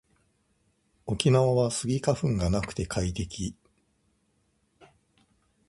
沖縄はスギ花粉がなくて快適